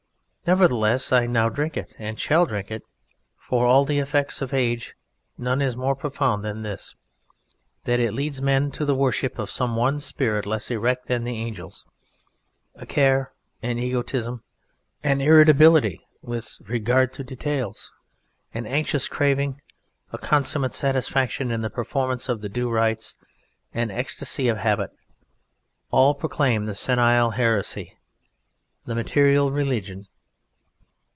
Nevertheless I now drink it, and shall drink it; for of all the effects of Age none is more profound than this: that it leads men to the worship of some one spirit less erect than the Angels. A care, an egotism, an irritability with regard to details, an anxious craving, a consummate satisfaction in the performance of the due rites, an ecstasy of habit, all proclaim the senile heresy, the material Religion.